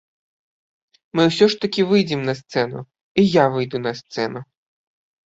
Мы усё ж такі выйдзем на сцэну, і я выйду на сцэну.